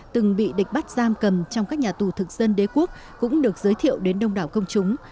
từng bị địch bắt giam cầm trong các nhà tù thực dân đế quốc cũng được giới thiệu đến đông đảo công chúng